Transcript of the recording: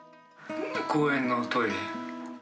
公園のトイレ。